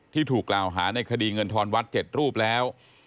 ที่ถูกลาอาหารในคดีเงินทรวรรดิ์วัด๗รูปแล้ว